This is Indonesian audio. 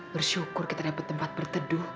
bersyukur kita dapat tempat berteduh